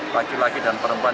laki laki dan perempuan